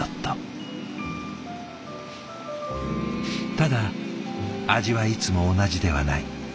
ただ味はいつも同じではない。